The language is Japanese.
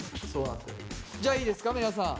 じゃあいいですか皆さん。